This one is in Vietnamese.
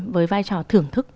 với vai trò thưởng thức